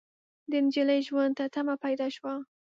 د نجلۍ ژوند ته تمه پيدا شوه.